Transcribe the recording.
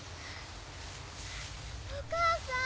お母さん？